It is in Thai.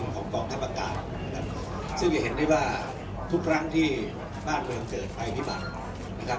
ของกองท่านประการซึ่งจะเห็นได้ว่าทุกครั้งที่บ้านเมืองเกิดไฟพิมัติ